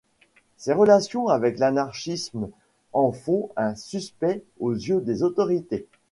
Ses relations avec l'anarchisme en font un suspect aux yeux des autorités.